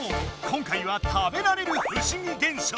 今回は食べられる不思議現象。